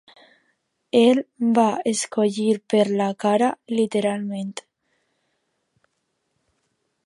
El va escollir per la cara, literalment.